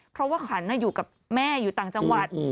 เพราะว่าขันอยู่กับแม่อยู่ต่างจังหวัด